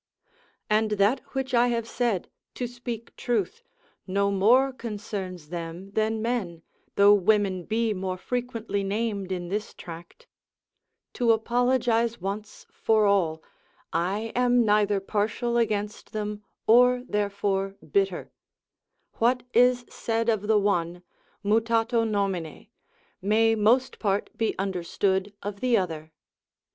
And that which I have said (to speak truth) no more concerns them than men, though women be more frequently named in this tract; (to apologise once for all) I am neither partial against them, or therefore bitter; what is said of the one, mutato nomine, may most part be understood of the other.